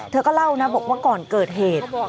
เธอก็เล่านะบอกว่าก่อนเกิดเหตุ